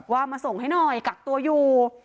มาส่งให้หน่อยกักตัวอยู่